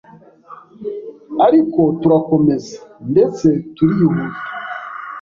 Ariko turakomeza, ndetse turihuta